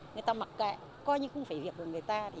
người ta mặc kệ coi như cũng phải hiệp được người ta